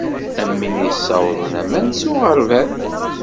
Am win yessawaḍen aman s uɣerbal.